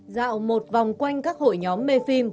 dạo một vòng quanh các hội nhóm mê phim